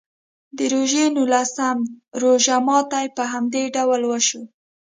د روژې نولسم روژه ماتي په همدې ډول وشو.